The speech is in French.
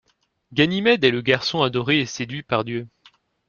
Ganymède est le garçon adoré et séduit par Dieu.